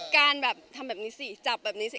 การแบบทำแบบนี้สิจับแบบนี้สิ